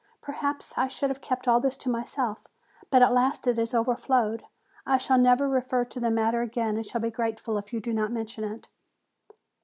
Perhaps I should have kept all this to myself, but at last it has overflowed. I shall never refer to the matter again and shall be grateful if you do not mention it."